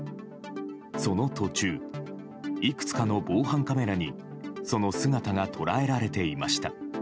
その途中いくつかの防犯カメラにその姿が捉えられていました。